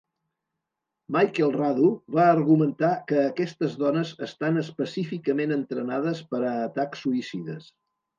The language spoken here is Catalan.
Michael Radu va argumentar que aquestes dones estan específicament entrenades per a atacs suïcides.